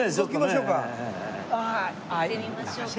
行ってみましょうか。